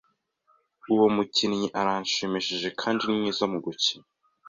Uwo mukinnyi arashimishije kandi ni mwiza mu gukina.